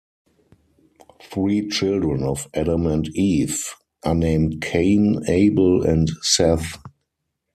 Three children of Adam and Eve are named, Cain, Abel and Seth.